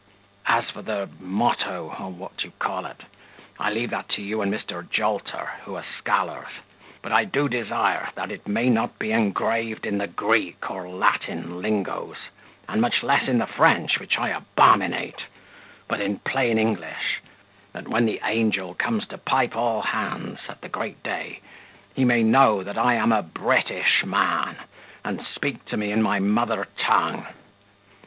As for the motto, or what you call it, I leave that to you and Mr. Jolter, who are scholars; but I do desire, that it may not be engraved in the Greek or Latin lingos, and much less in the French, which I abominate, but in plain English, that, when the angel comes to pipe all hands, at the great day, he may know that I am a British man, and speak to me in my mother tongue.